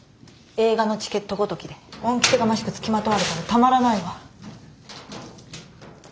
映画のチケットごときで恩着せがましく付きまとわれたらたまらないわ。